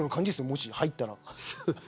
もし入ったら。